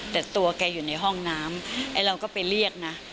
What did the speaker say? แต่ตัวแกอยู่ในห้องน้ำไอ้เราก็ไปเรียกนะ